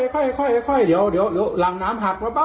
ค่อยเดี๋ยวหลั่งน้ำหักมาเปล่า